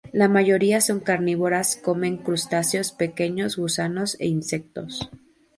La mayoría son carnívoras; comen crustáceos pequeños, gusanos e insectos.